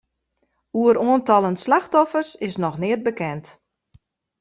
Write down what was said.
Oer oantallen slachtoffers is noch neat bekend.